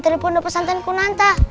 terima pesantrenku nanta